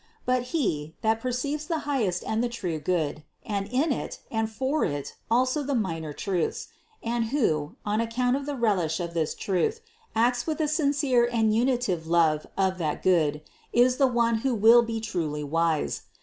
But he, that perceives the highest and the true good, and in it and for it also the minor truths, and who, on account of the relish of this truth, acts with a sincere and unitive love of that good, is the one who will be truly wise.